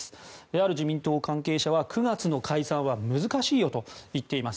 ある自民党関係者は９月の解散は難しいよと言っています。